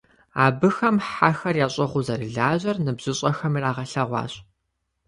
Абыхэм хьэхэр ящӀыгъуу зэрылажьэр ныбжьыщӀэхэм ирагъэлъэгъуащ.